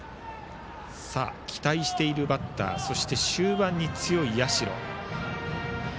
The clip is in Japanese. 期待しているバッターそして終盤に強い社。